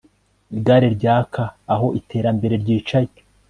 igare ryaka aho iterambere ryicaye